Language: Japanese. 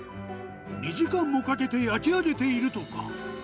２時間もかけて焼き上げているとか。